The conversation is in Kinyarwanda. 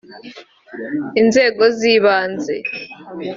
inzego z’ibanze